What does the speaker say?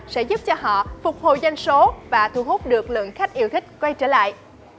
sẽ giúp cho họ phục hồi doanh số và thu hút được lượng khách yêu thích quay trở lại